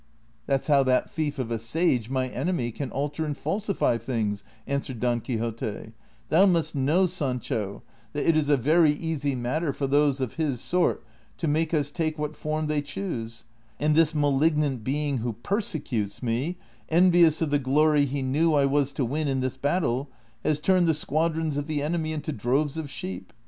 That 's how that thief of a sage/ my enemy, can alter and falsify things," answered Don Quixote ;" thou must know, Sancho, that it is a very easy matter for those of his sort to make us take what form they choose ; and this malignant being who persecutes me, envious of the glory he knew I was to win in this battle, has turned the squadrons of the enemy into droves of sheep.